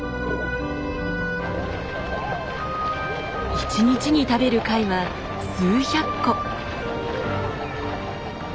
一日に食べる貝は数百個。